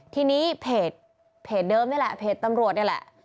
ทีนี้เพจเดิมนี่แหละเพจตำรวจนี่แหละ